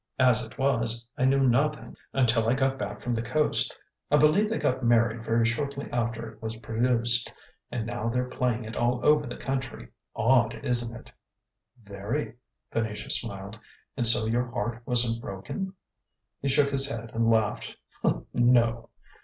As it was, I knew nothing until I got back from the Coast.... I believe they got married very shortly after it was produced; and now they're playing it all over the country. Odd, isn't it?" "Very," Venetia smiled. "And so your heart wasn't broken?" He shook his head and laughed: "No!"